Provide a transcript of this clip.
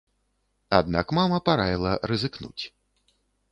Аднак мама параіла рызыкнуць.